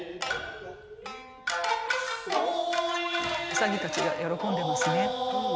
兎たちが喜んでますね。